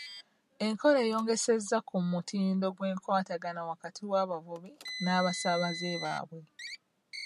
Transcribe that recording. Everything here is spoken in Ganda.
Enkola eyongeza ku mutindo gw'enkwatagana wakati w'abavuzi n'abasaabaze baabwe.